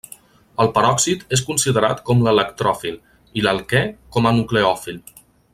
El peròxid és considerat com l'electròfil, i l'alquè, com a nucleòfil.